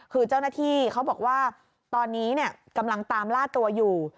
คือเจ้าหน้าที่เขาบอกว่าตอนนี้กำลังตามล่าตัวอยู่